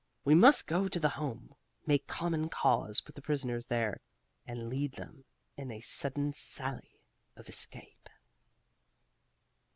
We must go to the Home, make common cause with the prisoners there, and lead them in a sudden sally of escape."